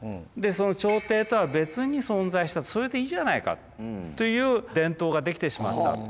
でその朝廷とは別に存在したそれでいいじゃないかという伝統ができてしまった。